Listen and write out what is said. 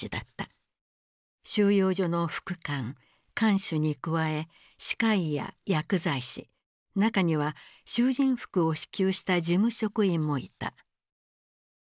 収容所の副官看守に加え歯科医や薬剤師中には囚人服を支給した事務職員もいた。